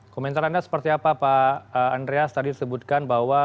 komentar anda seperti apa pak andreas tadi disebutkan bahwa